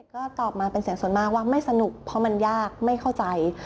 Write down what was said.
ก็ตอบมาเป็นเสียงส่วนมากว่าไม่สนุกเพราะมันยากไม่เข้าใจ